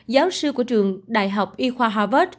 giáo sư của trường đại học y khoa harvard